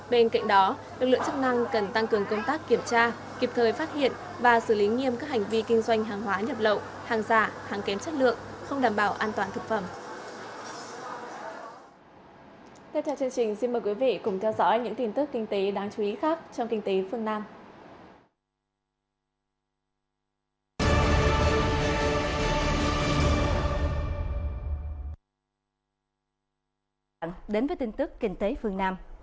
bên cạnh đó lực lượng chức năng cần tăng cường công tác kiểm tra kịp thời phát hiện và xử lý nghiêm các hành vi kinh doanh hàng hóa nhập lậu hàng giả hàng kém chất lượng không đảm bảo an toàn thực phẩm